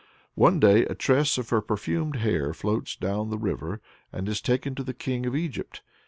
One day a tress of her perfumed hair floats down the river, and is taken to the King of Egypt.